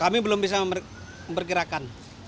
kami belum bisa memperkirakan